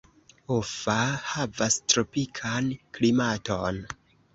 Offa havas tropikan klimaton.